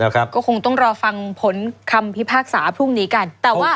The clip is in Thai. ก็คงต้องรอฟังผลคำพิพากษาพรุ่งนี้กัน